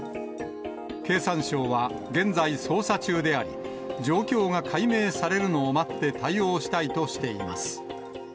経産省は、現在捜査中であり、状況が解明されるのを待って、対応したいとしています。